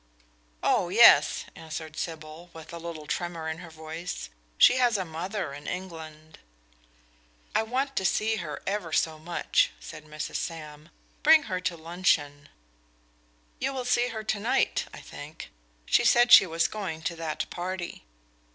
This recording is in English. "Oh, yes," answered Sybil, with a little tremor in her voice; "she has a mother in England." "I want to see her ever so much," said Mrs. Sam. "Bring her to luncheon." "You will see her to night, I think; she said she was going to that party."